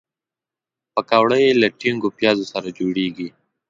پکورې له ټینګو پیازو سره جوړیږي